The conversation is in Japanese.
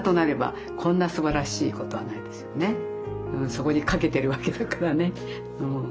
そこにかけてるわけだからね。